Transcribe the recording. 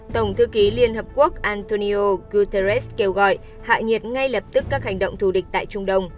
tổng thư ký liên hợp quốc antonio guterres kêu gọi hạ nhiệt ngay lập tức các hành động thù địch tại trung đông